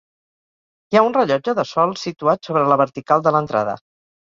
Hi ha un rellotge de sol situat sobre la vertical de l'entrada.